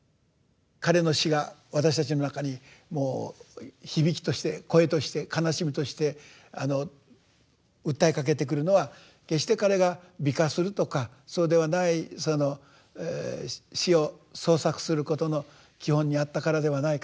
彼の詩が私たちの中にもう響きとして声として悲しみとして訴えかけてくるのは決して彼が美化するとかそうではないその詩を創作することの基本にあったからではないかと。